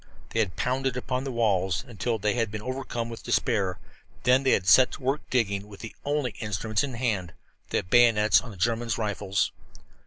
They had pounded upon the walls until they had been overcome with despair, and then they had set to work digging with the only instruments at hand the bayonets on the German rifles.